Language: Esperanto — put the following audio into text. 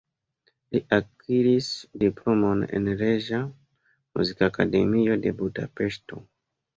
Li akiris diplomon en Reĝa Muzikakademio de Budapeŝto.